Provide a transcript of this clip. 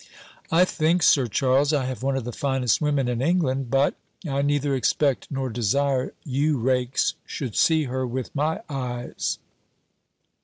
"I think, Sir Charles, I have one of the finest women in England; but I neither expect nor desire you rakes should see her with my eyes."